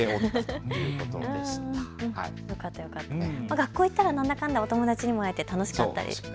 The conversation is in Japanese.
学校行ったらなんだかんだお友達にも会えて楽しかったりしますよね。